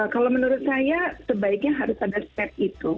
kalau menurut saya sebaiknya harus ada step itu